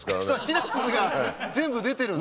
シナプスが全部出てるの？